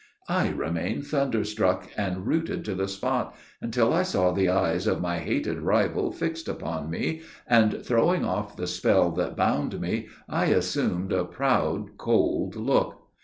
I remained thunderstruck and rooted to the spot, until I saw the eyes of my hated rival fixed upon me, and, throwing off the spell that bound me, I assumed a proud, cold look.